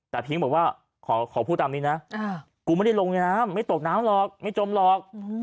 แต่พิ้งบอกว่าขอพูดตามนี้นะกูไม่ได้ลงในน้ำไม่ตกน้ำหรอกไม่จมหรอก